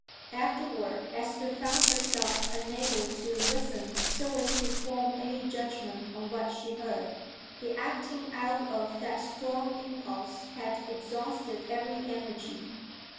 Afterward Esther found herself unable to listen so as to form any judgment on what she heard. The acting out of that strong impulse had exhausted every energy.